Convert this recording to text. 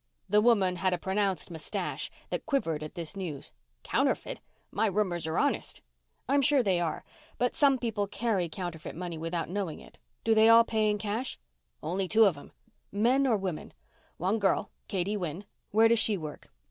The woman had a pronounced mustache that quivered at this news. "Counterfeit! My roomers are honest." "I'm sure they are. But some people carry counterfeit money without knowing it. Do they all pay in cash?" "Only two of them." "Men or women?" "One girl Katy Wynn." "Where does she work?"